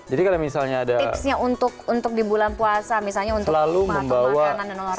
jadi kalau misalnya ada tipsnya untuk di bulan puasa misalnya untuk matahari makanan dan olahraga gitu